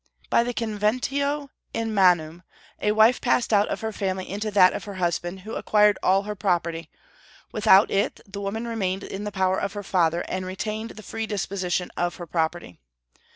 By the conventio in manum, a wife passed out of her family into that of her husband, who acquired all her property; without it, the woman remained in the power of her father, and retained the free disposition of her property.